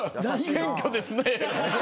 謙虚ですね。